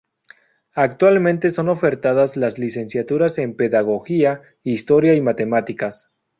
Actualmente son ofertadas las licenciaturas en Pedagogía, Historia y Matemáticas.